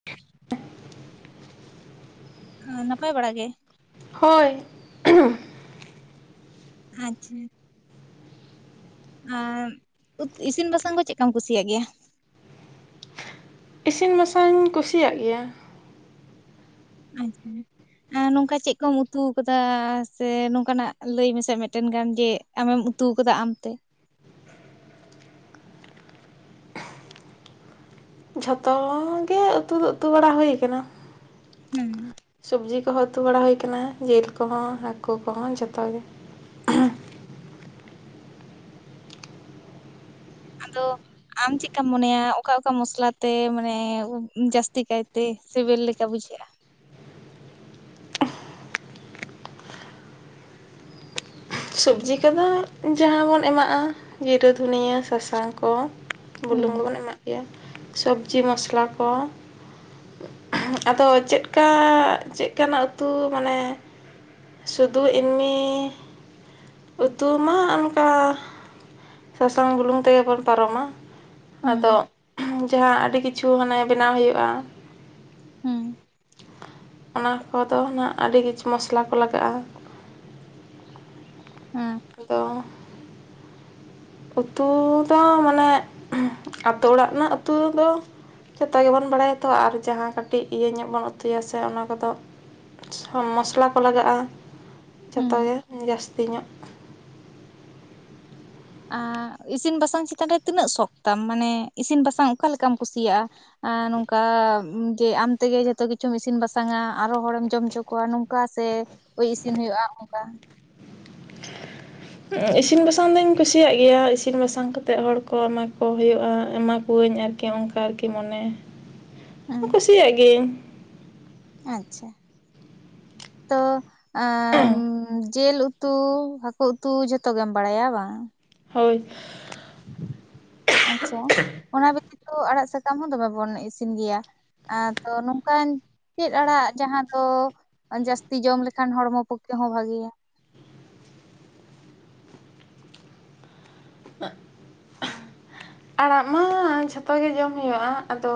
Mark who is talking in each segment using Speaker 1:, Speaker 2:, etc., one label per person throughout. Speaker 1: [inaudible]
Speaker 2: ᱦᱟᱸ ᱱᱟᱯᱟᱭ ᱵᱟᱲᱟ ᱜᱮ?
Speaker 1: ᱦᱳᱭ
Speaker 2: ᱟᱪᱪᱷᱟ ᱟᱸᱜ ᱩᱛᱽ ᱤᱥᱤᱱ ᱵᱟᱥᱟᱝ ᱠᱚ ᱪᱮᱜᱠᱟᱢ ᱠᱩᱥᱤᱭᱟᱜ ᱜᱮᱭᱟ?
Speaker 1: ᱤᱥᱤᱱ ᱵᱟᱥᱟᱝ ᱠᱩᱥᱤᱭᱟᱜ ᱜᱮᱭᱟ
Speaker 2: ᱟᱪᱪᱷᱟ ᱱᱚᱝᱠᱟ ᱪᱮᱜ ᱠᱚᱢ ᱩᱛᱩ ᱠᱟᱫᱟ ᱥᱮ ᱱᱚᱝᱠᱟᱱᱟᱜ ᱞᱟᱹᱭ ᱢᱮᱥᱮ ᱢᱤᱜᱴᱮᱱ ᱜᱟᱱ ᱡᱮ ᱟᱢᱮᱢ ᱩᱛᱩ ᱠᱟᱫᱟ ᱟᱢᱛᱮ
Speaker 1: ᱡᱷᱚᱛᱚᱻ ᱜᱮ ᱩᱛᱩ ᱫᱚ ᱩᱛᱩ ᱵᱟᱲᱟ ᱦᱩᱭ ᱠᱟᱱᱟ
Speaker 2: ᱦᱮᱸ
Speaker 1: ᱥᱚᱵᱡᱤ ᱠᱚᱦᱚ ᱛᱩ ᱵᱟᱲᱟ ᱦᱩᱭ ᱠᱟᱱᱟ ᱡᱮᱞ ᱠᱚᱦᱚᱸ ᱦᱟᱠᱳ ᱠᱚᱦᱚᱸ ᱡᱷᱚᱛᱚ ᱜᱮ
Speaker 2: ᱟᱫᱚ ᱟᱢ ᱪᱮᱜᱠᱟᱢ ᱢᱚᱱᱮᱭᱟ ᱚᱠᱟ ᱚᱠᱟ ᱢᱚᱥᱞᱟᱛᱮ ᱢᱟᱱᱮ ᱡᱟᱹᱥᱛᱤ ᱠᱟᱭᱛᱮ ᱥᱮᱵᱮᱞ ᱞᱮᱠᱟ ᱵᱩᱡᱷᱟᱹᱜᱼᱟ?
Speaker 1: ᱥᱚᱵᱡᱤ ᱠᱚᱫᱚ ᱡᱟᱦᱟᱸ ᱵᱚᱱ ᱮᱢᱟᱜᱼᱟ ᱡᱤᱨᱟᱹ ᱫᱷᱩᱱᱤᱭᱟᱹ ᱥᱟᱥᱟᱝ ᱠᱚ᱾
Speaker 2: ᱦᱩᱸ
Speaker 1: ᱵᱩᱞᱩᱝ ᱵᱚᱱ ᱮᱢᱟᱜ ᱜᱮᱭᱟ ᱥᱚᱵᱽᱡᱤ ᱢᱚᱥᱞᱟ ᱠᱚ᱾ ᱟᱫᱚ ᱪᱮᱫᱠᱟ ᱪᱮᱜ ᱠᱟᱱᱟᱜ ᱩᱛᱩ ᱢᱟᱱᱮ ᱥᱩᱫᱩ ᱮᱢᱱᱤ ᱩᱛᱩ ᱢᱟ ᱚᱱᱠᱟ ᱥᱟᱥᱟᱝ ᱵᱩᱞᱩᱝ ᱛᱮᱜᱮ ᱵᱚᱱ ᱯᱟᱨᱚᱢᱟ᱾
Speaker 2: ᱦᱩᱸ
Speaker 1: ᱟᱫᱚ ᱡᱟᱦᱟᱸ ᱟᱹᱰᱤ ᱠᱤᱪᱷᱩ ᱦᱟᱱᱮ ᱵᱮᱱᱟᱣ ᱦᱩᱭᱩᱜᱼᱟ᱾
Speaker 2: ᱦᱩᱸ᱾
Speaker 1: ᱚᱱᱟ ᱠᱚᱫᱚ ᱱᱟᱸᱜ ᱟᱹᱰᱤ ᱠᱤᱪᱷᱩ ᱢᱚᱥᱞᱟ ᱠᱚ ᱞᱟᱜᱟᱜᱼᱟ᱾
Speaker 2: ᱦᱮᱸ᱾
Speaker 1: ᱟᱫᱚ ᱩᱛᱩ ᱫᱚ ᱢᱟᱱᱮ ᱟᱛᱳ ᱚᱲᱟᱜ ᱨᱮᱱᱟᱜ ᱩᱛᱩ ᱫᱚ ᱡᱷᱚᱛᱚ ᱜᱮᱵᱚᱱ ᱵᱟᱲᱟᱭᱟ ᱛᱚ ᱟᱨ ᱡᱟᱦᱟᱸ ᱠᱟᱹᱴᱤᱡ ᱤᱭᱟᱹ ᱧᱚᱜ ᱵᱚᱱ ᱩᱛᱩᱭᱟ ᱥᱮ ᱚᱱᱟ ᱠᱚᱫᱚ ᱥᱚᱱ ᱢᱚᱥᱞᱟ ᱠᱚ ᱞᱟᱜᱟᱜᱼᱟ ᱡᱷᱚᱛᱚ
Speaker 2: ᱦᱩᱸ
Speaker 1: ᱜᱮ ᱡᱟᱹᱥᱛᱤ ᱧᱚᱜ᱾
Speaker 2: ᱟᱨ ᱤᱥᱤᱱ ᱵᱟᱥᱟᱝ ᱪᱮᱛᱟᱱ ᱨᱮ ᱛᱤᱱᱟᱹᱜ ᱥᱚᱠᱷᱛᱟᱢ ᱢᱟᱱᱮ ᱤᱥᱤᱱ ᱵᱟᱥᱟᱝ ᱚᱠᱟ ᱞᱮᱠᱟᱢ ᱠᱩᱥᱤᱭᱟᱜᱼᱟ? ᱟ ᱱᱚᱝᱠᱟ ᱡᱮ ᱟᱢᱛᱮᱜᱮ ᱡᱷᱚᱛᱚ ᱠᱤᱪᱷᱩᱢ ᱤᱥᱤᱱ ᱵᱟᱥᱟᱝᱼᱟ ᱟᱨᱚ ᱦᱚᱲᱮᱢ ᱡᱚᱢ ᱦᱚᱪᱚ ᱠᱚᱣᱟ ᱱᱚᱝ ᱠᱚᱣᱟ ᱥᱮ ᱳᱭ ᱤᱥᱤᱱ ᱦᱳᱭᱳᱜᱼᱟ ᱚᱝᱠᱟ᱾
Speaker 1: ᱤᱥᱤᱱ ᱵᱟᱥᱟᱝ ᱫᱩᱧ ᱠᱩᱥᱤᱭᱟᱜ ᱜᱮᱭᱟ ᱤᱥᱤᱱ ᱵᱟᱥᱟᱝ ᱠᱟᱛᱮᱜ ᱦᱚᱲ ᱠᱚ ᱮᱢᱟ ᱠᱚ ᱦᱳᱭᱳᱜᱼᱟ ᱮᱢᱟ ᱠᱩᱣᱟᱹᱧ ᱟᱨ ᱠᱤ ᱚᱝᱠᱟ ᱟᱨᱠᱤ ᱢᱚᱱᱮ᱾
Speaker 2: [inaudible]
Speaker 1: ᱠᱩᱥᱤᱭᱟᱜ ᱜᱤᱭᱟᱹᱧ᱾
Speaker 2: ᱟᱪᱪᱷᱟ ᱛᱚ ᱟᱢ ᱡᱮᱞ ᱩᱛᱩ ᱦᱟᱹᱠᱩ ᱩᱛᱩ ᱡᱷᱚᱛᱚ ᱜᱮᱢ ᱵᱟᱲᱟᱭᱟ ᱵᱟᱝ?
Speaker 1: ᱦᱳᱭ᱾
Speaker 2: ᱟᱪᱪᱷᱟ ᱚᱱᱟ ᱵᱮᱛᱤᱛᱚ ᱟᱲᱟᱜ ᱥᱟᱠᱟᱢ ᱦᱚᱸ ᱫᱚᱢᱮ ᱵᱚᱱ ᱤᱥᱤᱱ ᱜᱮᱭᱟ᱾ ᱟᱫᱚ ᱱᱚᱝᱠᱟᱱ ᱪᱮᱫ ᱟᱲᱟᱜ ᱡᱟᱦᱟᱸ ᱫᱚ ᱡᱟᱹᱥᱛᱤ ᱡᱚᱢ ᱞᱮᱠᱷᱟᱱ ᱦᱚᱲᱢᱚ ᱯᱚᱠᱠᱷᱮ ᱦᱚᱸ ᱵᱷᱟᱜᱮᱭᱟ?
Speaker 1: ᱟᱲᱟᱜ ᱢᱟ ᱡᱷᱚᱛᱚ ᱜᱮ ᱡᱚᱢ ᱦᱳᱭᱳᱜᱼᱟ ᱟᱫᱚ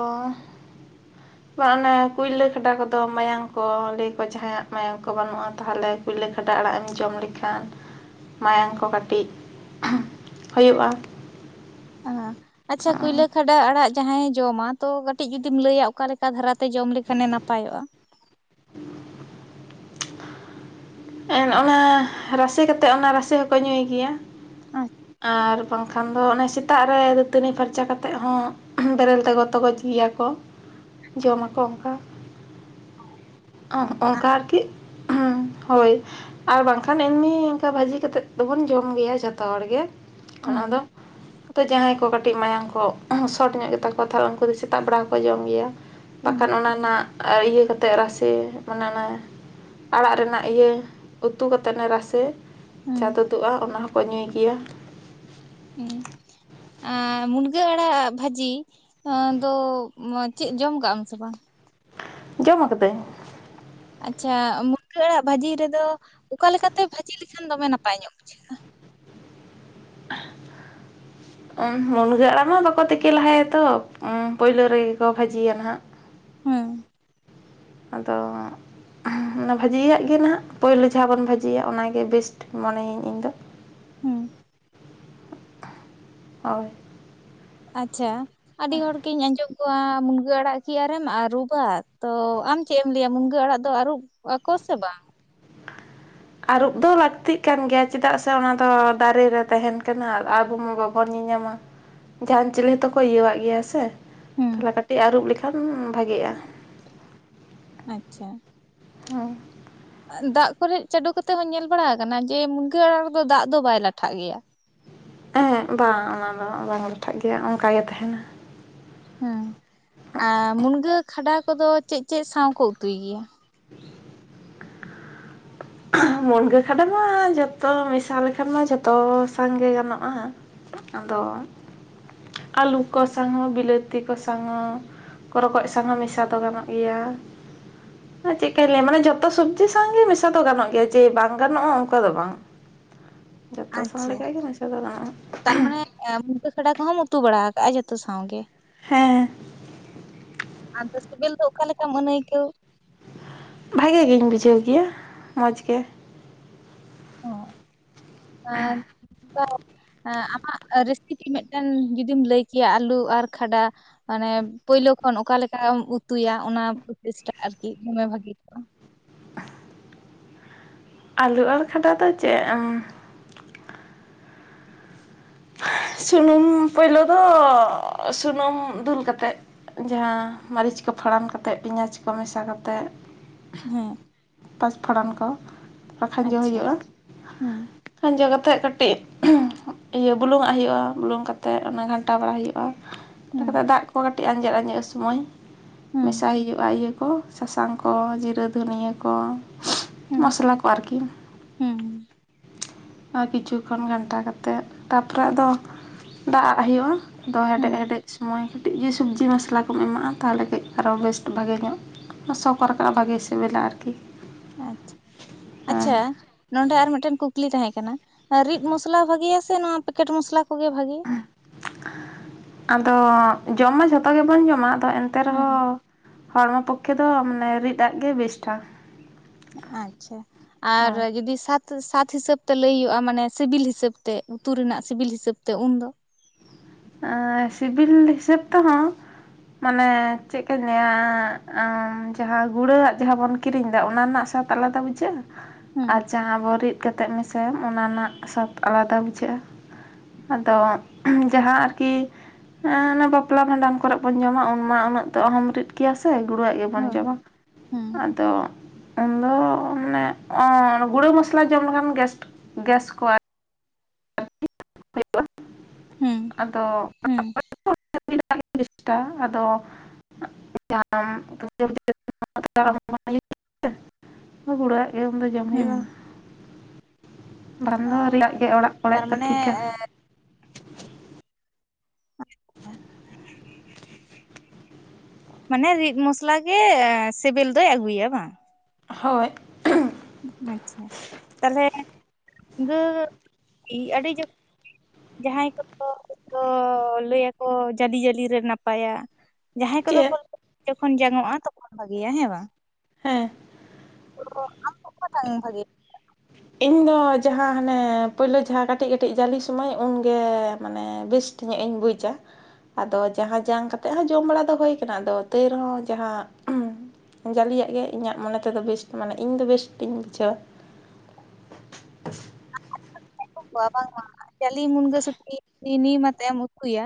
Speaker 2: [inaudible]
Speaker 1: ᱢᱟ ᱚᱱᱮ ᱠᱩᱭᱞᱟᱹ ᱠᱷᱟᱰᱟ ᱠᱚᱫᱚ ᱢᱟᱭᱟᱢ ᱠᱚ ᱞᱟᱹᱭᱠᱚ ᱡᱟᱦᱟᱸᱭᱟᱜ ᱢᱟᱭᱟᱢ ᱠᱚ ᱵᱟᱹᱱᱩᱜᱼᱟ ᱛᱟᱦᱚᱞᱮ ᱯᱩᱭᱞᱟᱹ ᱠᱷᱟᱰᱟ ᱟᱲᱟᱜ ᱮᱢ ᱡᱚᱢ ᱞᱮᱠᱷᱟᱱ ᱢᱟᱭᱟᱝ ᱠᱚ ᱠᱟᱹᱴᱤᱡ ᱦᱳᱭᱳᱜᱼᱟ᱾
Speaker 2: ᱟᱪᱪᱷᱟ ᱠᱩᱭᱞᱟᱹ ᱠᱷᱟᱰᱟ ᱟᱲᱟᱜ ᱡᱟᱦᱟᱸᱭᱮ ᱡᱚᱢᱟ ᱛᱚ ᱠᱟᱹᱴᱤᱡ ᱡᱩᱫᱤᱢ ᱞᱮᱭᱟ ᱚᱠᱟ ᱞᱮᱠᱟ ᱫᱷᱟᱨᱟᱛᱮ ᱡᱚᱢ ᱞᱮᱠᱷᱟᱱᱮ ᱱᱟᱯᱟᱭᱚᱜᱼᱟ?
Speaker 1: ᱚᱱᱟ ᱨᱟᱥᱮ ᱠᱟᱛᱮᱜ ᱚᱱᱟ ᱨᱟᱥᱮ ᱦᱚᱸᱠᱚ ᱧᱩᱭ ᱜᱮᱭᱟ᱾
Speaker 2: [unintelligible]
Speaker 1: ᱟᱨ ᱵᱟᱝᱠᱷᱟᱱ ᱫᱚ ᱚᱱᱮ ᱥᱮᱛᱟᱜ ᱨᱮ ᱫᱟᱹᱛᱟᱹᱱᱤ ᱯᱷᱟᱨᱪᱟ ᱠᱟᱛᱮᱜ ᱦᱚᱸ᱾ ᱵᱮᱨᱮᱞ ᱛᱮᱠᱚ ᱛᱚᱜᱚᱡ ᱜᱮᱭᱟ ᱠᱚ ᱡᱚᱢᱟ ᱠᱚ ᱚᱱᱠᱟ। ᱚᱸ ᱚᱱᱠᱟ ᱟᱨᱠᱤ ᱦᱳᱭ। ᱟᱨ ᱵᱟᱝᱠᱷᱟᱱ ᱮᱢᱱᱤ ᱚᱱᱠᱟ ᱵᱷᱟᱹᱡᱤ ᱠᱟᱛᱮᱫ ᱫᱚᱵᱚᱱ ᱡᱚᱢ ᱜᱮᱭᱟ ᱡᱚᱛᱚ ᱦᱚᱲᱜᱮ
Speaker 2: ᱟᱪᱪᱷᱟ
Speaker 1: ᱚᱱᱟ ᱫᱚ। ᱛᱮ ᱡᱟᱦᱟᱸᱭ ᱠᱚ ᱠᱟᱹᱴᱤᱡ ᱢᱟᱭᱟᱝ ᱠᱚ ᱥᱚᱴ ᱧᱚᱜ ᱜᱮᱛᱟ ᱠᱚᱣᱟ ᱛᱟᱦᱚᱞᱮ ᱩᱱᱠᱩ ᱫᱚ ᱥᱮᱛᱟᱜ ᱵᱮᱲᱟ ᱦᱚᱸᱠᱚ ᱡᱚᱢ ᱜᱮᱭᱟ। ᱵᱟᱠᱷᱟᱱ ᱚᱱᱟ ᱨᱮᱱᱟᱜ ᱤᱭᱟᱹ ᱠᱟᱛᱮᱫ ᱨᱟᱥᱮ ᱥᱮ ᱢᱟᱱᱮ ᱚᱱᱟ ᱟᱲᱟᱜ ᱨᱮᱱᱟᱜ ᱤᱭᱟᱹ ᱩᱛᱩ ᱠᱟᱛᱮᱜ ᱱᱟ ᱨᱟᱥᱮ᱾ ᱪᱟ ᱛᱚᱫᱩᱜᱼᱟ ᱚᱱᱟ ᱦᱚᱸᱠᱚ ᱧᱩᱭ ᱜᱮᱭᱟ।
Speaker 2: ᱦᱩᱸ। ᱟᱨ ᱢᱩᱱᱜᱟᱹ ᱟᱲᱟᱜ ᱵᱷᱟᱹᱡᱤ ᱫᱚ ᱪᱮᱫ ᱡᱚᱢ ᱠᱟᱜ ᱟᱢ ᱥᱮ ᱵᱟᱝ?
Speaker 1: ᱡᱚᱢ ᱟᱠᱟᱫᱟᱹᱧ᱾
Speaker 2: ᱟᱪᱪᱷᱟ ᱢᱩᱱᱜᱟᱹ ᱟᱲᱟᱜ ᱵᱷᱟᱹᱡᱤ ᱨᱮᱫᱚ ᱚᱠᱟ ᱞᱮᱠᱟᱛᱮ ᱵᱷᱟᱹᱡᱤ ᱞᱮᱠᱷᱟᱱ ᱫᱚᱢᱮ ᱱᱟᱯᱟᱭ ᱧᱚᱜ ᱵᱩᱡᱷᱟᱹᱜᱼᱟ? [inaudible]
Speaker 1: ᱢᱩᱱᱜᱟᱹ ᱟᱲᱟᱜ ᱢᱟ ᱵᱟᱠᱚ ᱛᱤᱠᱤ ᱞᱟᱦᱟᱭᱟ ᱛᱚ ᱩᱸᱢ ᱯᱳᱭᱞᱳ ᱨᱮᱜᱮ ᱠᱚ ᱵᱷᱟᱹᱡᱤᱭᱟ ᱱᱟᱦᱟᱜ।
Speaker 2: ᱦᱮᱸ᱾
Speaker 1: ᱟᱫᱚ ᱦᱟᱸᱜ ᱚᱱᱟ ᱵᱷᱟᱹᱡᱤᱭᱟᱜ ᱜᱮ ᱱᱟᱦᱟᱜ ᱯᱳᱭᱞᱳ ᱡᱟᱦᱟᱸ ᱵᱚᱱ ᱵᱷᱟᱹᱡᱤᱭᱟ ᱚᱱᱟᱜᱮ ᱵᱮᱥᱴ ᱢᱚᱱᱮᱭᱟᱹᱧ ᱤᱧ ᱫᱚ।
Speaker 2: ᱦᱮᱸ।
Speaker 1: ᱦᱳᱭ।
Speaker 2: ᱟᱪᱪᱷᱟ ᱟᱹᱰᱤ ᱦᱚᱲᱜᱤᱧ ᱟᱸᱡᱚᱢ ᱠᱚᱣᱟ ᱢᱩᱱᱜᱟᱹ ᱟᱲᱟᱜ ᱠᱤ ᱟᱨᱮᱢ ᱟᱹᱨᱩᱵᱟ ᱛᱚ ᱟᱢ ᱪᱮᱫ ᱮᱢ ᱞᱟᱹᱭᱟ ᱢᱩᱱᱜᱟᱹ ᱟᱲᱟᱜ ᱫᱚ ᱟᱹᱨᱩᱵ ᱟᱠᱚ ᱥᱮ ᱵᱟᱝ?
Speaker 1: ᱟᱹᱨᱩᱵ ᱫᱚ ᱞᱟᱹᱠᱛᱤᱜ ᱠᱟᱱ ᱜᱮᱭᱟ ᱪᱮᱫᱟᱜ ᱥᱮ ᱚᱱᱟ ᱫᱚ ᱫᱟᱨᱮ ᱨᱮ ᱛᱟᱦᱮᱸᱱ ᱠᱟᱱᱟ ᱟᱵᱚ ᱢᱟ ᱵᱟᱵ ᱵᱚᱱ ᱧᱮᱧᱟᱢᱟ, ᱡᱟᱦᱟᱱ ᱪᱤᱞᱤ ᱦᱚᱸᱛᱚ ᱠᱚ ᱤᱭᱟᱹᱣᱟᱜ ᱜᱮᱭᱟ ᱥᱮ?
Speaker 2: ᱦᱮᱸ
Speaker 1: ᱛᱟᱦᱚᱞᱮ ᱠᱟᱹᱴᱤᱡ ᱟᱹᱨᱩᱵ ᱞᱮᱠᱷᱟᱱ ᱵᱷᱟᱜᱮᱜᱼᱟ।
Speaker 2: ᱟᱪᱪᱷᱟ᱾
Speaker 1: ᱦᱩᱸ᱾
Speaker 2: ᱫᱟᱜ ᱠᱚᱨᱮᱫ ᱪᱟᱰᱩ ᱠᱟᱛᱮᱜ ᱦᱚᱸ ᱧᱮᱞ ᱵᱟᱲᱟᱣ ᱟᱠᱟᱱᱟ ᱡᱮ ᱢᱩᱱᱜᱟᱹ ᱟᱲᱟᱜ ᱨᱮᱫᱚ ᱫᱟᱜ ᱫᱚ ᱵᱟᱭ ᱞᱟᱴᱷᱟᱜ ᱜᱮᱭᱟ।
Speaker 1: ᱮᱦᱮᱸ, ᱵᱟᱝ ᱚᱱᱟ ᱫᱚ ᱵᱟᱝ ᱞᱟᱴᱷᱟᱜ ᱜᱮᱭᱟ ᱚᱱᱠᱟ ᱜᱮ ᱛᱟᱦᱮᱸᱱᱟ।
Speaker 2: ᱦᱮᱸ᱾ ᱟ ᱢᱩᱱᱜᱟᱹ ᱠᱷᱟᱰᱟ ᱠᱚᱫᱚ ᱪᱮᱫ ᱪᱮᱫ ᱥᱟᱶ ᱠᱚ ᱩᱛᱩᱭ ᱜᱮᱭᱟ?
Speaker 1: ᱢᱩᱱᱜᱟᱹ ᱠᱷᱟᱰᱟ ᱢᱟ ᱡᱷᱚᱛᱚ ᱢᱮᱥᱟ ᱞᱮᱠᱷᱟᱱ ᱢᱟ ᱡᱷᱚᱛᱚ ᱥᱟᱶᱜᱮ ᱜᱟᱱᱚᱜᱼᱟ। ᱟᱫᱚ, ᱟᱹᱞᱩ ᱠᱚ ᱥᱟᱣ ᱦᱚᱸ, ᱵᱤᱞᱟᱹᱛᱤ ᱠᱚ ᱥᱟᱣ ᱦᱚᱸ᱾ ᱠᱚ ᱨᱚᱠᱚᱡ ᱥᱟᱝ ᱦᱚᱸ ᱢᱮᱥᱟ ᱫᱚ ᱜᱟᱱᱚᱜ ᱜᱮᱭᱟ। ᱟᱨ ᱪᱮᱫ ᱠᱟ. ᱧ ᱞᱟᱹᱭᱟ ᱢᱟᱱᱮ ᱡᱷᱚᱛᱚ ᱥᱚᱵᱽᱡᱤ ᱥᱟᱝᱜᱮ ᱢᱮᱥᱟ ᱛᱚ ᱜᱟᱱᱚᱜ ᱜᱮᱭᱟ ᱡᱮ ᱵᱟᱝ ᱜᱟᱱᱚᱜᱼᱟ ᱚᱱᱠᱟ ᱫᱚ ᱵᱟᱝ। ᱡᱚᱛᱚ ᱥᱟᱝᱱ ᱞᱮᱠᱟ ᱜᱮ ᱢᱮᱥᱟᱹ ᱫᱚ ᱜᱟᱱᱚᱜ-ᱟ ᱦᱟᱸᱜ᱾
Speaker 2: ᱟ ᱢᱩᱱᱜᱟᱹ ᱠᱷᱟᱰᱟ ᱠᱚᱦᱚᱢ ᱩᱛᱩ ᱵᱟᱲᱟᱣ ᱟᱠᱟᱜ-ᱟ ᱡᱷᱚᱛᱚ ᱥᱟᱸᱶᱜ ᱜᱮ᱾
Speaker 1: ᱦᱮᱸ᱾
Speaker 2: ᱟᱫᱚ ᱥᱮᱵᱮᱞ ᱫᱚ ᱚᱠᱟ ᱞᱮᱠᱟᱢ ᱟᱹᱱᱟᱹᱭᱠᱟᱹᱣ?
Speaker 1: ᱵᱷᱟᱹᱜᱮ ᱜᱮᱧ ᱵᱩᱡᱷᱟᱹᱣ ᱜᱮᱭᱟ ᱢᱚᱡᱽ ᱜᱮ᱾
Speaker 2: ᱚ ᱟᱨ [unintelligible] ᱟ ᱟᱢᱟᱜ ᱨᱮᱥᱤᱯᱤ ᱢᱤᱫᱴᱮᱱ ᱡᱩᱫᱤᱢ ᱞᱟᱹᱭ ᱠᱮᱭᱟ ᱟᱞᱩ ᱟᱨ ᱠᱷᱟᱰᱟ ᱢᱟᱱᱮ ᱯᱳᱭᱞᱳ ᱠᱷᱚᱱ ᱚᱠᱟᱞᱮᱠᱟᱢ ᱩᱛᱩᱭᱟ ᱚᱱᱟ ᱯᱨᱚᱪᱮᱥᱴᱟᱷ ᱟᱨᱠᱤ ᱫᱚᱢᱮ ᱵᱷᱟᱜᱤ ᱠᱚᱜᱼᱟ᱾
Speaker 1: ᱟᱹᱞᱩ ᱟᱨ ᱠᱷᱟᱰᱟ ᱫᱚ ᱪᱮᱫ ᱩᱸ ᱥᱩᱱᱩᱢ ᱯᱳᱭᱞᱳ ᱫᱚ ᱥᱩᱱᱩᱢ ᱫᱩᱞ ᱠᱟᱛᱮᱫ ᱡᱟᱦᱟᱸ ᱢᱟᱹᱨᱤᱪ ᱠᱚ ᱯᱷᱚᱲᱟᱱ ᱠᱟᱛᱮᱫ, ᱯᱮᱸᱭᱟᱡᱽ ᱠᱚ ᱢᱮᱥᱟ ᱠᱟᱛᱮᱫ,
Speaker 2: ᱦᱮᱸ
Speaker 1: ᱯᱟᱸᱪ ᱯᱷᱚᱲᱟᱱ ᱠᱚ ᱠᱷᱟᱡᱚ
Speaker 2: ᱟᱪᱪᱷᱟ
Speaker 1: ᱦᱩᱭᱩᱜᱼᱟ᱾
Speaker 2: ᱦᱩᱸ
Speaker 1: ᱠᱷᱟᱸᱡᱚ ᱠᱟᱛᱮᱫ ᱠᱟᱹᱴᱤᱡ ᱤᱭᱟᱹ ᱵᱩᱞᱩᱝ ᱟᱜ ᱦᱩᱭᱩᱜᱼᱟ, ᱵᱩᱞᱩᱝ ᱠᱟᱛᱮᱫ ᱚᱱᱟ ᱜᱷᱟᱱᱴᱟ ᱵᱟᱲᱟ ᱦᱩᱭᱩᱜᱼᱟ᱾
Speaker 2: ᱦᱩᱸ
Speaker 1: ᱫᱟᱜ ᱠᱚ ᱠᱟᱹᱴᱤᱡ ᱟᱸᱡᱮᱫ ᱟᱸᱡᱮᱫ ᱥᱚᱢᱚᱭ
Speaker 2: ᱦᱩᱸ
Speaker 1: ᱢᱮᱥᱟᱭ ᱦᱩᱭᱩᱜᱼᱟ ᱤᱭᱟᱹ ᱠᱚ᱾ ᱥᱟᱥᱟᱝ ᱠᱚ, ᱡᱤᱨᱟᱹ ᱫᱷᱩᱱᱤᱭᱟᱹ ᱠᱚ ᱢᱚᱥᱞᱟ ᱠᱚ ᱟᱨᱠᱤ᱾
Speaker 2: ᱦᱮᱸ᱾
Speaker 1: ᱟᱨ ᱠᱤᱪᱷᱩ ᱠᱷᱚᱱ ᱜᱷᱟᱱᱴᱟ ᱠᱟᱛᱮᱫ ᱛᱟᱯᱚᱨᱮ ᱟᱫᱚ ᱫᱟᱜ ᱟᱜ ᱦᱩᱭᱩᱜᱼᱟ᱾ ᱫᱚ
Speaker 2: ᱦᱩᱸ
Speaker 1: ᱦᱮᱰᱮᱡ ᱦᱮᱰᱮᱡ ᱥᱚᱢᱚᱭ ᱠᱟᱹᱴᱤᱡ ᱜᱮ ᱥᱚᱵᱽᱡᱤ ᱢᱚᱥᱞᱟ ᱠᱚᱢ ᱮᱢᱟᱜᱼᱟ, ᱛᱟᱦᱚᱞᱮ ᱠᱟᱹᱡ ᱟᱨᱚ ᱵᱮᱥᱴ ᱵᱷᱟᱹᱜᱮ ᱧᱚᱜ, ᱥᱚ ᱠᱚ ᱨᱟᱠᱟᱵᱼᱟ, ᱵᱷᱟᱜᱮ ᱥᱤᱵᱤᱞᱟ ᱟᱨᱠᱤ᱾
Speaker 2: ᱟᱪᱪᱷᱟ᱾
Speaker 1: ᱟᱨ
Speaker 2: ᱟᱪᱪᱷᱟ ᱱᱚᱰᱮ ᱟᱨ ᱢᱤᱫᱴᱮᱱ ᱠᱩᱠᱞᱤ ᱛᱟᱦᱮᱸ ᱠᱟᱱᱟ ᱨᱤᱫ ᱢᱚᱥᱞᱟ ᱵᱷᱟᱜᱮᱭᱟ ᱥᱮ ᱱᱚᱶᱟ ᱯᱮᱠᱮᱴ ᱢᱚᱥᱞᱟ ᱠᱚᱜᱮ ᱵᱷᱟᱜᱮ?
Speaker 1: ᱟᱫᱚ ᱡᱚᱢ ᱢᱟ ᱡᱷᱚᱛᱚ ᱜᱮᱵᱚᱱ ᱡᱚᱢᱟ᱾ ᱫᱚ ᱮᱱᱛᱮ
Speaker 2: ᱦᱮᱸ
Speaker 1: ᱨᱮᱦᱚᱸ ᱦᱚᱬᱢᱚ ᱯᱚᱠᱷᱮ ᱫᱚ ᱢᱟᱱᱮ ᱨᱤᱫ ᱟᱜ ᱜᱮ ᱵᱮᱥᱴ-ᱟ᱾
Speaker 2: ᱟᱪᱪᱷᱟ ᱟᱨ
Speaker 1: ᱦᱳᱭ
Speaker 2: ᱡᱩᱫᱤ ᱥᱟᱛ- ᱥᱟᱛ ᱦᱤᱥᱟᱹᱵᱽ ᱛᱮ ᱞᱟᱹᱭ ᱦᱩᱭᱩᱜ-ᱟ, ᱢᱟᱱᱮ ᱥᱤᱵᱤᱞ ᱦᱤᱥᱟᱹᱵᱽ ᱛᱮ ᱩᱛᱩ ᱨᱮᱱᱟᱜ ᱥᱤᱵᱤᱞ ᱦᱤᱥᱟᱹᱵᱽ ᱛᱮ ᱩᱱᱫᱚ᱾
Speaker 1: ᱟᱸ ᱥᱤᱵᱤᱞ ᱦᱤᱥᱟᱹᱵᱽ ᱛᱮᱦᱚᱸ ᱢᱟᱱᱮ ᱪᱮᱫ ᱞᱮᱠᱟᱧ ᱞᱟᱹᱭᱟ ᱡᱟᱦᱟᱸ ᱜᱩᱲᱟᱹᱣᱟᱜ ᱡᱟᱦᱟᱸ ᱵᱚᱱ ᱠᱤᱨᱤᱧ ᱮᱫᱟ ᱚᱱᱟ ᱨᱮᱱᱟᱜ ᱥᱟᱛ ᱟᱞᱟᱫᱟ ᱵᱩᱡᱷᱟᱹᱜ-ᱟ
Speaker 2: ᱦᱮᱸ
Speaker 1: ᱟᱨ ᱡᱟᱦᱟᱸ ᱵᱚ ᱨᱤᱫ- ᱠᱟᱛᱮᱫ ᱢᱮᱥᱟᱭᱟᱢ, ᱚᱱᱟ ᱨᱮᱱᱟᱜ ᱥᱟᱫ ᱟᱞᱟᱫᱟ ᱵᱩᱡᱷᱟᱹᱜ-ᱟ, ᱟᱫᱚ ᱡᱟᱦᱟᱸ ᱟᱨᱠᱤ ᱚᱱᱟ ᱵᱟᱯᱞᱟ ᱵᱷᱟᱸᱰᱟᱱ ᱠᱚᱨᱮᱫ ᱵᱚᱱ ᱡᱚᱢᱟ ᱩᱱᱢᱟ ᱩᱱᱟᱹᱜ ᱫᱚ ᱟᱦᱚᱢ ᱨᱤᱫ ᱠᱮᱭᱟ ᱥᱮ ᱜᱩᱲᱟᱹᱣᱟᱜ ᱜᱮᱵᱚᱱ
Speaker 2: ᱦᱳᱭ
Speaker 1: ᱡᱚᱢᱟ᱾
Speaker 2: ᱦᱩᱸ
Speaker 1: ᱟᱫᱚ ᱩᱱᱫᱚ ᱢᱟᱱᱮ ᱜᱩᱲᱟᱹ ᱢᱚᱥᱞᱟ ᱡᱚᱢ ᱞᱮᱠᱷᱟᱱ ᱜᱮ ᱜᱮᱥᱴ ᱜᱮᱥ ᱠᱚ ᱟᱨ- [inaudible] ᱦᱩᱭᱩᱜ-ᱟ
Speaker 2: ᱦᱩᱸ
Speaker 1: ᱟᱫᱚ᱾
Speaker 2: ᱦᱩᱸ
Speaker 1: [inaudible] ᱟᱫᱚ [inaudible] ᱜᱩᱲᱟᱹᱣᱟᱜ ᱜᱮ ᱩᱱ ᱫᱚ ᱡᱚᱢ
Speaker 2: ᱦᱩᱸ
Speaker 1: ᱦᱩᱭᱩᱜ-ᱟ᱾ ᱵᱟᱝ ᱫᱚ ᱨᱤᱫ ᱨᱮᱭᱟᱜ ᱜᱮ ᱚᱲᱟᱜ ᱠᱚᱨᱮ
Speaker 2: ᱛᱟᱨ
Speaker 1: ᱫᱚ
Speaker 2: ᱢᱟᱱᱮ
Speaker 1: ᱴᱷᱤᱠᱟ
Speaker 2: ᱮᱸ [inaudible] ᱢᱟᱱᱮ ᱨᱤᱫ ᱢᱚᱥᱞᱟ ᱜᱮ ᱥᱤᱵᱤᱞ ᱫᱚᱭ ᱟᱹᱜᱩᱭᱟ ᱵᱟᱝ?
Speaker 1: ᱦᱳᱭ
Speaker 2: ᱟᱪᱪᱷᱟ ᱛᱟᱦᱚᱞᱮ [unintelligible] ᱟᱹᱰᱤ [inaudible] ᱡᱟᱦᱟᱸᱭ ᱠᱚᱫᱚ ᱞᱟᱹᱭᱟ ᱠᱚ ᱡᱟᱹᱞᱤ ᱡᱟᱹᱞᱤ ᱨᱮ ᱱᱟᱯᱟᱭᱟ᱾ ᱡᱟᱦᱟᱸᱭ ᱠᱚᱫᱚ
Speaker 1: ᱪᱮᱫ
Speaker 2: ᱠᱚ [unintelligible] ᱡᱚᱠᱷᱚᱱ ᱡᱟᱝᱚᱜ-ᱟ, ᱛᱚᱠᱷᱚᱱ ᱵᱷᱟᱹᱜᱮᱭᱟ ᱦᱮᱸ ᱵᱟᱝ?
Speaker 1: ᱦᱮᱸ
Speaker 2: [inaudible] ᱵᱟᱝ ᱵᱷᱟᱜᱮ
Speaker 1: ᱤᱧ ᱫᱚ ᱡᱟᱦᱟᱸ ᱦᱟᱱᱮ ᱯᱳᱭᱞᱳ ᱡᱟᱦᱟᱸ ᱠᱟᱹᱴᱤᱡ ᱠᱟᱹᱴᱤᱡ ᱡᱟᱹᱞᱤ ᱥᱳᱢᱚᱭ ᱩᱱᱜᱮ ᱢᱟᱱᱮ ᱵᱮᱥ ᱧᱟᱹᱜ ᱤᱧ ᱵᱩᱡᱟ᱾ ᱟᱫᱚ ᱡᱟᱦᱟᱸ ᱡᱟᱝ ᱠᱟᱛᱮᱜ ᱦᱚᱸ ᱡᱚᱢ ᱵᱟᱲᱟ ᱫᱚ ᱦᱩᱭ ᱠᱟᱱᱟ, ᱟᱫᱚ ᱛᱟᱹᱭ ᱨᱮᱦᱚᱸ ᱡᱟᱦᱟᱸ ᱡᱟᱞᱤᱭᱟᱜ ᱜᱮ ᱤᱧᱟᱹᱜ ᱢᱚᱱᱮ ᱛᱮᱫᱚ ᱵᱮᱥᱴ ᱢᱟᱱᱮ ᱤᱧ ᱫᱚ ᱵᱮᱥᱴ ᱤᱧ ᱵᱩᱡᱷᱟᱹᱣᱟ᱾ [unintelligible]
Speaker 2: ᱵᱟ ᱵᱟᱝᱟ, ᱡᱟᱞᱤ ᱢᱩᱱᱜᱟᱹ ᱥᱩᱴᱤ ᱱᱤᱢ ᱟᱛᱮ ᱮᱢ ᱩᱛᱩᱭᱟ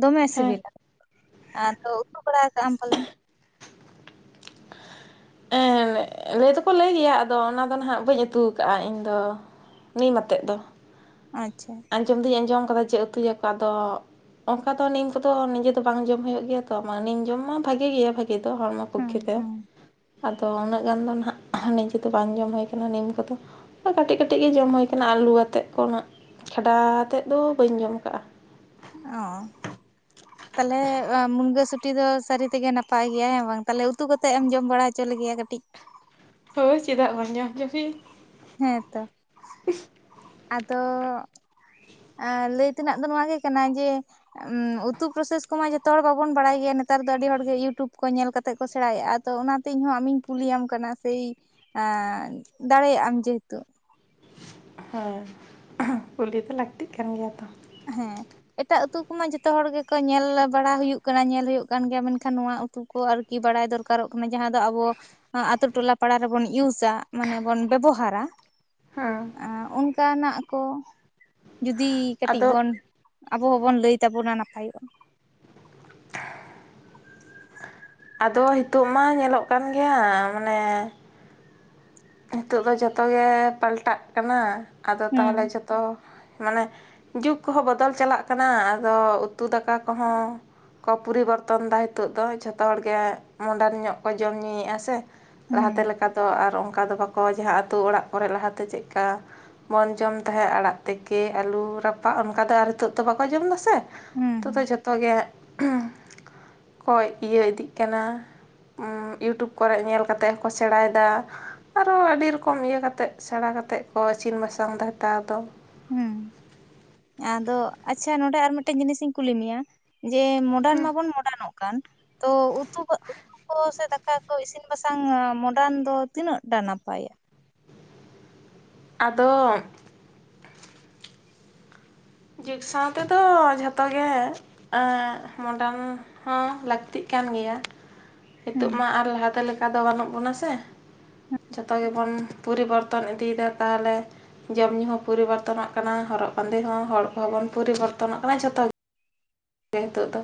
Speaker 2: ᱫᱚᱢᱮ
Speaker 1: ᱦᱮᱸ
Speaker 2: ᱥᱮᱵᱮᱞᱟ᱾ ᱟᱨ ᱛᱚ ᱩᱛᱩ ᱵᱟᱲᱟ ᱠᱟᱜ ᱟᱢ ᱯᱟᱞᱮᱱ?
Speaker 1: ᱦᱮᱸ ᱞᱟᱹᱭ ᱫᱚᱠᱚ ᱞᱟᱹᱭ ᱜᱮᱭᱟ, ᱟᱫᱚ ᱚᱱᱟ ᱫᱚ ᱱᱟᱦᱟᱜ ᱵᱟᱹᱧ ᱩᱛᱩ ᱟᱠᱟᱜ-ᱟ ᱤᱧᱫᱚ᱾ ᱱᱤᱢ ᱟᱛᱮᱫ ᱫᱚ᱾
Speaker 2: ᱟᱪᱪᱷᱟ
Speaker 1: ᱟᱸᱡᱚᱢ ᱫᱩᱧ ᱟᱸᱡᱚᱢ ᱠᱟᱫᱟ ᱡᱮ ᱩᱛᱩ ᱟᱠᱚ ᱟᱫᱚ᱾ ᱚᱱᱠᱟ ᱛᱚ ᱱᱤᱢ ᱠᱚᱫᱚ ᱱᱤᱡᱮ ᱫᱚ ᱵᱟᱝ ᱡᱚᱢ ᱦᱩᱭᱩᱜ ᱜᱮᱭᱟ ᱛᱚ, ᱢᱟᱱᱮ ᱱᱤᱢ ᱡᱚᱢ ᱢᱟ ᱵᱷᱟᱜᱮ ᱜᱮᱭᱟ ᱵᱷᱟᱜᱤ ᱫᱚ ᱦᱚᱲᱢᱚ
Speaker 2: ᱦᱩᱸ
Speaker 1: ᱯᱚᱠᱠᱷᱮ ᱛᱮ
Speaker 2: ᱦᱩᱸ
Speaker 1: ᱟᱫᱚ ᱩᱱᱟᱹᱜ ᱜᱟᱱ ᱫᱚ ᱱᱟᱦᱟᱜ ᱱᱤᱡᱮ ᱫᱚ ᱵᱟᱝ ᱡᱚᱢ ᱦᱩᱭ ᱠᱟᱱᱟ ᱱᱤᱢ ᱠᱚᱫᱚ᱾ ᱠᱟᱹᱴᱤᱡ ᱠᱟᱹᱴᱤᱡ ᱜᱮ ᱡᱚᱢ ᱦᱩᱭ ᱠᱟᱱᱟ, ᱟᱹᱞᱩ ᱟᱛᱮᱫ ᱠᱚ ᱦᱟᱸᱜ ᱠᱷᱟᱰᱟ ᱟᱛᱮᱫ ᱫᱚ ᱵᱟᱹᱧ ᱡᱚᱢ ᱠᱟᱜ-ᱟ᱾
Speaker 2: ᱚ ᱛᱟᱦᱚᱞᱮ ᱢᱩᱱᱜᱟᱹ ᱥᱩᱴᱤ ᱫᱚ ᱥᱟᱹᱨᱤ ᱛᱮᱜᱮ ᱱᱟᱯᱟᱭ ᱜᱮᱭᱟ ᱦᱮᱸ ᱵᱟᱝ ᱛᱟᱦᱚᱞᱮ ᱩᱛᱩ ᱠᱟᱛᱮᱫ ᱮᱢ ᱡᱚᱢ ᱵᱟᱲᱟ ᱦᱚᱪᱚ ᱞᱮᱜᱮᱭᱟ ᱠᱟᱹᱴᱤᱡ?
Speaker 1: ᱦᱳᱭ ᱪᱮᱫᱟᱜ ᱵᱟᱝ ᱡᱚᱢ ᱦᱚᱪᱚ ᱯᱮᱭᱤᱧ᱾
Speaker 2: ᱦᱮᱸᱛᱚ ᱟᱫᱚ᱾ ᱟᱨ ᱞᱟᱹᱭ ᱛᱮᱱᱟᱜ ᱫᱚ ᱱᱚᱣᱟ ᱜᱮ ᱠᱟᱱᱟ ᱡᱮ ᱩᱛᱩ ᱯᱨᱚᱥᱮᱥ ᱠᱚᱢᱟ ᱡᱚᱛᱚ ᱦᱚᱲ ᱵᱟᱵᱚᱱ ᱵᱟᱲᱟᱭ ᱜᱮᱭᱟ ᱾ ᱱᱮᱛᱟᱨ ᱫᱚ ᱟᱹᱰᱤ ᱦᱚᱲᱜᱮ ᱤᱭᱩᱴᱩᱵᱽ ᱠᱚ ᱧᱮᱞ ᱠᱟᱛᱮᱜ ᱠᱚ ᱥᱮᱬᱟᱭᱮᱫᱼᱟ ᱛᱚ ᱚᱱᱟᱛᱮ ᱤᱧᱦᱚᱸ ᱟᱢᱤᱧ ᱠᱩᱞᱤᱭᱟᱢ ᱠᱟᱱᱟ ᱥᱮᱭ ᱟᱸ ᱫᱟᱲᱮᱭᱟᱜ ᱟᱢ ᱡᱮᱦᱮᱛᱩ ᱾
Speaker 1: ᱦᱮᱸ, [inaudible] ᱠᱩᱞᱤ ᱫᱚ ᱞᱟᱠᱛᱤᱜ ᱠᱟᱱ ᱜᱮᱭᱟ ᱛᱚ ᱾
Speaker 2: ᱦᱮᱸ ᱾ ᱮᱴᱟᱜ ᱟᱹᱛᱩ ᱠᱚᱢᱟ ᱡᱷᱚᱛᱚ ᱦᱚᱲ ᱜᱮᱠᱚ ᱧᱮᱞ ᱵᱟᱲᱟ ᱦᱩᱭᱩᱜ ᱠᱟᱱᱟ ᱧᱮᱞ ᱦᱩᱭᱩᱜ ᱠᱟᱱ ᱜᱮᱭᱟ ᱢᱮᱱᱠᱷᱟᱱ ᱱᱚᱣᱟ ᱩᱛᱩ ᱠᱚ ᱟᱨᱠᱤ ᱵᱟᱲᱟᱭ ᱫᱚᱨᱠᱟᱨᱚᱜ ᱠᱟᱱᱟ ᱡᱟᱦᱟᱸ ᱫᱚ ᱟᱵᱚ ᱟᱸ ᱟᱛᱳ ᱴᱚᱞᱟ ᱯᱟᱲᱟ ᱨᱮᱵᱚᱱ ᱤᱭᱩᱥᱟ ᱢᱟᱱᱮ ᱵᱚᱱ ᱵᱮᱵᱚᱦᱟᱨᱟ ᱾
Speaker 1: ᱦᱮᱸ
Speaker 2: ᱮᱸ ᱚᱱᱠᱟᱱᱟᱜ ᱠᱚ ᱡᱩᱫᱤ ᱠᱟᱹᱴᱤᱡ
Speaker 1: ᱟᱫᱚ
Speaker 2: ᱵᱚᱱ ᱟᱵᱚ ᱦᱚᱵᱚᱱ ᱞᱟᱹᱭ ᱛᱟᱵᱚᱱᱟ ᱱᱟᱯᱟᱭᱚᱜᱼᱟ᱾
Speaker 1: ᱟᱫᱚ ᱦᱤᱛᱚᱜ ᱢᱟ ᱧᱮᱞᱚᱜ ᱠᱟᱱ ᱜᱮᱭᱟ ᱢᱟᱱᱮ ᱱᱤᱛᱚᱜ ᱫᱚ ᱡᱚᱛᱚ ᱜᱮ ᱯᱟᱞᱴᱟᱜ ᱠᱟᱱᱟ, ᱟᱫᱚ ᱛᱟᱦᱚᱞᱮ
Speaker 2: ᱦᱩᱸ
Speaker 1: ᱡᱚᱛᱚ ᱢᱟᱱᱮ ᱡᱩᱜᱽ ᱠᱚᱦᱚᱸ ᱵᱚᱫᱚᱞ ᱪᱟᱞᱟᱜ ᱠᱟᱱᱟ, ᱟᱫᱚ ᱩᱛᱩ ᱫᱟᱠᱟ ᱠᱚᱦᱚᱸ ᱠᱚ ᱯᱚᱨᱤᱵᱚᱨᱛᱚᱱ ᱫᱟ ᱦᱤᱛᱚᱜ ᱫᱚ ᱡᱷᱚᱛᱚ ᱦᱚᱲᱜᱮ ᱢᱚᱰᱟᱨᱱ ᱧᱚᱜ ᱠᱚ ᱡᱚᱢ ᱧᱩᱭᱮᱜᱼᱟ ᱥᱮ ᱾
Speaker 2: ᱦᱩᱸ
Speaker 1: ᱞᱟᱦᱟᱛᱮ ᱞᱮᱠᱟ ᱫᱚ ᱟᱨ ᱚᱱᱠᱟ ᱫᱚ ᱵᱟᱠᱚ ᱡᱟᱦᱟᱸ ᱟᱹᱛᱳ ᱚᱲᱟᱜ ᱠᱚᱨᱮᱜ ᱞᱟᱦᱟᱛᱮ ᱪᱮᱫ ᱞᱮᱠᱟ ᱵᱚᱱ ᱡᱚᱢ ᱛᱟᱦᱮᱸᱜ ᱟᱲᱟᱜ ᱛᱮᱠᱮ, ᱟᱹᱞᱩ ᱨᱟᱯᱟᱜ ᱚᱱᱠᱟ ᱫᱚ ᱟᱨ ᱦᱤᱛᱚᱜ ᱫᱚ ᱵᱟᱠᱚ ᱡᱚᱢ ᱫᱟ‌ ᱥᱮ!
Speaker 2: ᱦᱩᱸ
Speaker 1: ᱱᱤᱛᱚᱜ ᱫᱚ
Speaker 2: ᱦᱩᱸ
Speaker 1: ᱡᱷᱚᱛᱚ ᱜᱮ
Speaker 2: [inaudible]
Speaker 1: ᱠᱚᱭ ᱤᱭᱟᱹ ᱤᱫᱤᱜ ᱠᱟᱱᱟ ᱾ ᱩᱸ ᱤᱭᱩᱴᱩᱵᱽ ᱠᱚᱨᱮᱜ ᱧᱮᱞ ᱠᱟᱛᱮᱜ ᱦᱚᱸᱠᱚ ᱥᱮᱬᱟᱭᱮᱫᱟ ᱾ ᱟᱨᱚ ᱟᱹᱰᱤ ᱨᱚᱠᱚᱢ ᱤᱭᱟᱹ ᱠᱟᱛᱮᱫ ᱥᱮᱬᱟ ᱠᱟᱛᱮᱫ ᱠᱚ ᱤᱥᱤᱱ ᱵᱟᱥᱟᱝ ᱫᱟ ᱦᱮᱛᱟᱨ ᱫᱚ ᱾
Speaker 2: ᱦᱩᱸ, ᱟᱫᱚ ᱟᱪᱪᱷᱟ ᱱᱚᱸᱰᱮ ᱟᱨ ᱢᱤᱫᱴᱮᱱ ᱡᱤᱱᱤᱥ ᱤᱧ ᱠᱩᱞᱤ ᱢᱮᱭᱟ, ᱡᱮ ᱢᱚᱰᱟᱨᱱ
Speaker 1: ᱦᱮᱸ
Speaker 2: ᱢᱟᱵᱚᱱ ᱢᱚᱰᱟᱨᱱᱚᱜ ᱠᱟᱱ, ᱛᱚ ᱩᱛᱩ ᱩᱛᱩ ᱠᱚ ᱥᱮ ᱫᱟᱠᱟ ᱠᱚ ᱤᱥᱤᱱ ᱵᱟᱥᱟᱝ ᱢᱚᱰᱟᱱ ᱫᱚ ᱛᱤᱱᱟᱹᱜ ᱴᱟ ᱱᱟᱯᱟᱭᱟ?
Speaker 1: ᱟᱫᱚ ᱡᱩᱜᱽ ᱥᱟᱶ ᱛᱮᱫᱚ ᱡᱷᱚᱛᱚ ᱜᱮ ᱮᱸᱻ ᱢᱚᱰᱟᱨᱱ ᱦᱚᱸ ᱞᱟᱹᱠᱛᱤᱜ ᱠᱟᱱ ᱜᱮᱭᱟ ᱾
Speaker 2: ᱦᱩᱸ
Speaker 1: ᱦᱤᱛᱚᱜ ᱢᱟ ᱟᱨ ᱞᱟᱦᱟᱛᱮ ᱞᱮᱠᱟ ᱫᱚ ᱵᱟᱹᱱᱩᱜ ᱵᱚᱱᱟ ᱥᱮ ᱾ ᱡᱷᱚᱛᱚ ᱜᱮᱵᱚᱱ ᱯᱚᱨᱤᱵᱚᱨᱛᱚᱱ ᱤᱫᱤᱭᱮᱫᱟ ᱛᱟᱦᱟᱞᱮ ᱾ ᱡᱚᱢ ᱧᱩ ᱦᱚᱸ ᱯᱚᱨᱤᱵᱚᱨᱛᱚᱱᱚᱜ ᱠᱟᱱᱟ, ᱦᱚᱨᱚᱜ ᱵᱟᱸᱫᱮ ᱦᱚᱸ, ᱦᱚᱲ ᱠᱚᱦᱚᱸ ᱵᱚᱱ ᱯᱚᱨᱤᱵᱚᱨᱛᱚᱱᱚᱜ ᱠᱟᱱᱟ ᱡᱷᱚᱛᱚ ᱜᱮ ᱱᱤᱛᱚᱜ ᱫᱚ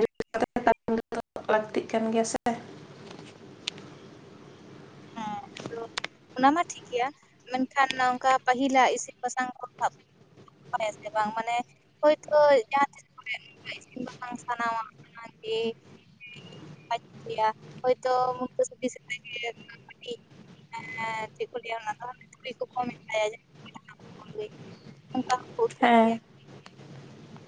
Speaker 1: [unintelligible] ᱞᱟᱹᱠᱛᱤᱜ ᱠᱟᱱ ᱜᱮᱭᱟ ᱥᱮ!
Speaker 2: ᱦᱮᱸ ᱟᱫᱚ ᱚᱱᱟ ᱢᱟ ᱴᱷᱤᱠ ᱜᱮᱭᱟ, ᱢᱮᱱᱠᱷᱟᱱ ᱱᱚᱝᱠᱟ ᱯᱟᱹᱦᱤᱞᱟᱜ ᱤᱥᱤᱱ ᱵᱟᱥᱟᱝ ᱠᱚ ᱥᱟᱵ [unintelligible] ᱥᱮ ᱵᱟᱝ ᱢᱟᱱᱮ ᱦᱳᱭᱛᱳ ᱡᱟᱦᱟᱸ ᱛᱤᱥ ᱠᱚᱨᱮ ᱱᱚᱝᱠᱟ ᱤᱥᱤᱱ ᱵᱟᱥᱟᱝ ᱥᱟᱱᱟᱣᱟ ᱚᱱᱟ ᱜᱮ [inaudible] ᱦᱚᱭᱛᱚ ᱢᱩᱱᱜᱟᱹ ᱥᱩᱴᱤ [inaudible] ᱦᱮᱸᱻ ᱪᱮᱫ ᱠᱚ ᱞᱟᱹᱭᱟ ᱚᱱᱟ ᱫᱚ, ᱥᱩᱠᱨᱤ ᱠᱚᱠᱚ ᱢᱮᱛᱟᱭᱟ [inaudible] ᱢᱩᱱᱜᱟᱹᱭ ᱩᱱᱠᱟ‌ ᱦᱚᱸᱠᱚ ᱩᱛᱩᱭ ᱜᱮᱭᱟ
Speaker 1: ᱦᱮᱸ
Speaker 2: ᱾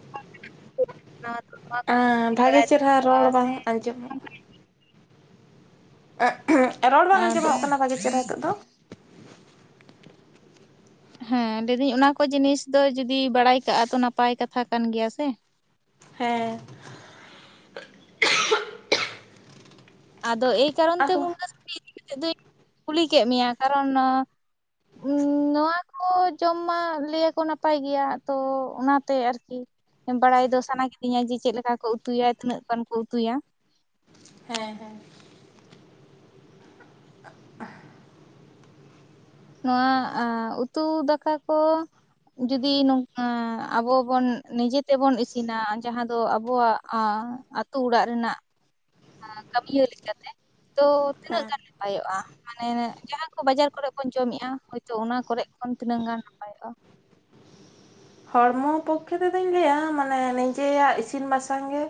Speaker 2: [inaudible]
Speaker 1: ᱦᱮᱸ ᱵᱷᱟᱜᱮ
Speaker 2: ᱵᱟᱲᱟᱭ
Speaker 1: ᱪᱮᱨᱦᱟ ᱨᱚᱲ
Speaker 2: ᱛᱟᱠᱚᱣᱟ ᱥᱮ
Speaker 1: ᱵᱟᱝ ᱟᱸᱡᱚᱢᱚᱜ [inaudible] ᱨᱚᱲ ᱵᱟᱝ
Speaker 2: ᱟᱫᱚ
Speaker 1: ᱟᱸᱡᱚᱢᱚᱜ ᱠᱟᱱᱟ ᱵᱷᱟᱜᱮ ᱪᱮᱨᱦᱟ ᱦᱮᱛᱚᱜ ᱫᱚ ᱾
Speaker 2: ᱦᱮᱸ ᱞᱟᱹᱭ ᱫᱟᱹᱧ ᱚᱱᱟ ᱠᱚ ᱡᱤᱱᱤᱥ ᱫᱚ ᱡᱩᱫᱤ ᱵᱟᱲᱟᱭ ᱠᱟᱜᱼᱟ ᱛᱚ ᱱᱟᱯᱟᱭ ᱠᱟᱛᱷᱟ ᱠᱟᱱ ᱜᱮᱭᱟ ᱥᱮ ᱾
Speaker 1: ᱦᱮᱸ᱾
Speaker 2: ᱟᱫᱚ ᱮᱭ ᱠᱟᱨᱚᱱ ᱛᱮ
Speaker 1: ᱟᱫᱚ
Speaker 2: ᱢᱩᱱᱜᱟᱹ ᱥᱩᱴᱤ ᱤᱫᱤ ᱠᱟᱛᱮᱜ ᱫᱩᱧ ᱠᱩᱞᱤ ᱠᱮᱜ ᱢᱮᱭᱟ, ᱠᱟᱨᱚᱱ ᱩᱸᱻ ᱱᱚᱣᱟ ᱠᱚ ᱡᱚᱢ ᱢᱟ ᱞᱟᱹᱭ ᱟᱠᱚ ᱱᱟᱯᱟᱭ ᱜᱮᱭᱟ, ᱛᱚ ᱚᱱᱟ ᱛᱮ ᱟᱨᱠᱤ ᱵᱟᱲᱟᱭ ᱫᱚ ᱥᱟᱱᱟ ᱠᱤᱫᱤᱧᱟ ᱡᱮ, ᱪᱮᱫ ᱞᱮᱠᱟ ᱠᱚ ᱩᱛᱩᱭᱟ? ᱛᱤᱱᱟᱹᱜ ᱜᱟᱱ ᱠᱚ ᱩᱛᱩᱭᱟ?
Speaker 1: ᱦᱮᱸ ᱦᱮᱸ᱾
Speaker 2: ᱱᱚᱣᱟ ᱮ ᱩᱛᱩ ᱫᱟᱠᱟ ᱠᱚ ᱡᱩᱫᱤ ᱱᱚᱝᱠᱟ ᱟᱵᱚ ᱵᱚᱱ ᱱᱤᱡᱮ ᱛᱮᱵᱚᱱ ᱤᱥᱤᱱᱟ ᱡᱟᱦᱟᱸ ᱫᱚ ᱟᱵᱚᱣᱟᱜ ᱟ ᱟᱹᱛᱩ ᱚᱲᱟᱜ ᱨᱮᱱᱟᱜ ᱠᱟᱹᱢᱤᱭᱟᱹ ᱞᱮᱠᱟᱛᱮ ᱛᱚ ᱛᱤᱱᱟᱹᱜ
Speaker 1: ᱦᱮᱸ
Speaker 2: ᱜᱟᱱ ᱱᱟᱯᱟᱭᱚᱜᱼᱟ? ᱢᱟᱱᱮ ᱡᱟᱦᱟᱸ ᱠᱚ ᱵᱟᱡᱟᱨ ᱠᱚᱨᱮ ᱵᱚᱱ ᱡᱚᱢᱮᱜᱼᱟ, ᱦᱚᱭᱛᱚ ᱚᱱᱟ ᱠᱚᱨᱮ ᱠᱷᱚᱱ ᱛᱤᱱᱟᱹᱜ ᱜᱟᱱ ᱱᱟᱯᱟᱭᱚᱜᱼᱟ?
Speaker 1: ᱦᱚᱲᱢᱚ ᱯᱚᱠᱠᱷᱮ ᱛᱮᱫᱚᱧ ᱞᱟᱹᱭᱟ ᱢᱟᱱᱮ ᱱᱤᱡᱮᱭᱟᱜ ᱤᱥᱤᱱ ᱵᱟᱥᱟᱝ ᱜᱮ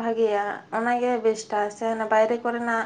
Speaker 1: ᱵᱷᱟᱜᱭᱟ ᱚᱱᱟᱜᱮ ᱵᱮᱥᱴᱼᱟ ᱥᱮ ᱵᱟᱭᱨᱮ ᱠᱚᱨᱮᱱᱟᱜ